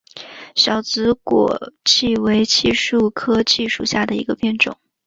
小紫果槭为槭树科槭属下的一个变种。